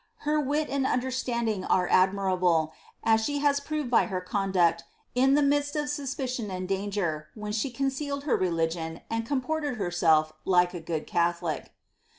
Her wit and understanding are admirable, as she has proved by her con duct in the midst of suspicion and danger, when she concealed her reli gion, and comported herself like a good Catholic."